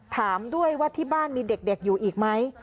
ถามด้วยว่าที่บ้านมีเด็กอยู่อีกไหม